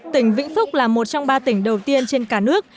tỉnh vĩnh phúc là một trong ba tỉnh đầu tiên trên cả nước